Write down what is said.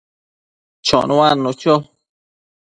chonuadnu cho